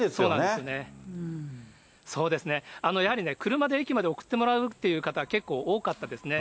そうですね、やはり車で駅まで送ってもらうという方、結構多かったですね。